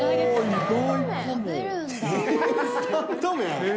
意外。